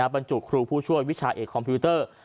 บรรจุครูผู้ช่วยวิชาเอกคอมพิวเตอร์